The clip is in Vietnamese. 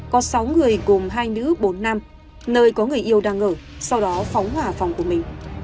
có sáu người gồm hai nữ bốn nam nơi có người yêu đang ở sau đó phóng hỏa phòng của mình